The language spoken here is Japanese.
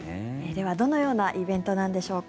では、どのようなイベントなんでしょうか。